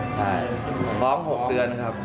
เท้าง๖เดือนนะครับ